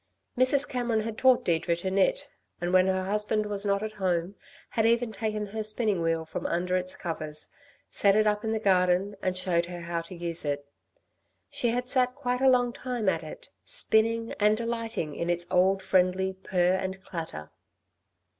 Mrs. Cameron had taught Deirdre to knit, and when her husband was not at home had even taken her spinning wheel from under its covers, set it up in the garden and showed her how to use it. She had sat quite a long time at it, spinning, and delighting in its old friendly purr and clatter.